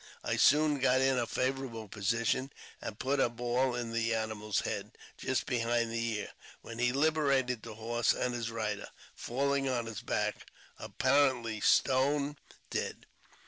I soon got in a favourable position, and put a ball in the animal's head, just behind the ear, when he liberated the horse and his rider, falling on his back apparently stone dead.